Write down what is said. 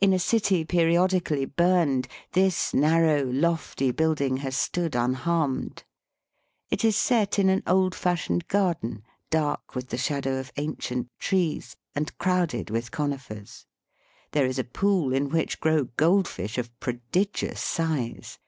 In a city periodically burned, this narrow, lofty building has stood unharmed. It is set in an old fashioned garden, dark with the shadow of ancient trees, and crowded with conifers. There is a pool, in which grow gold fish of prodigious size.